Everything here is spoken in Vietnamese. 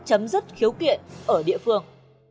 tấm rất khiếu kiện ở địa phương